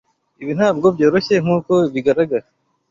Ibi ntabwo byoroshye nkuko bigaragara.